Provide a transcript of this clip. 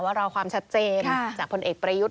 รอความชัดเจนจากพลเอกประยุทธ์